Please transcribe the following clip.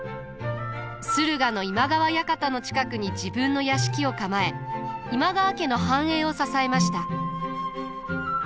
駿河の今川館の近くに自分の屋敷を構え今川家の繁栄を支えました。